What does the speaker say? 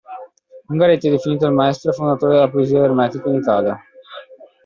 Ungaretti è definito il maestro e fondatore della poesia Ermetica in Italia.